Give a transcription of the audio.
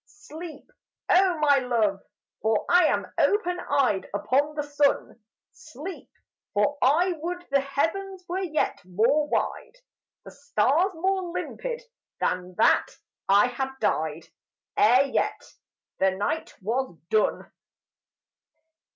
Sleep ! Oh, my Love, for I am open eyed Upon the sun ; Sleep ! for I would the heavens were yet more wide, The stars more limpid, and that I had died Ere yet the night was done.